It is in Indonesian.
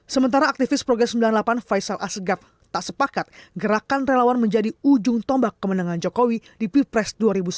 sementara aktivis progres sembilan puluh delapan faisal asgaf tak sepakat gerakan relawan menjadi ujung tombak kemenangan jokowi di pilpres dua ribu sembilan belas